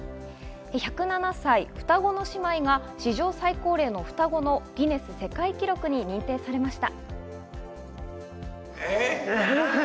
１０７歳、双子の姉妹が史上最高齢の双子のギネス世界記録に認定されました。